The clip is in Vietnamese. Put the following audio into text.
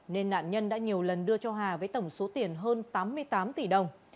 nên nạn nhân đã nhiều lần đưa cho hà với tổng số tiền hơn tám mươi tám tỷ đồng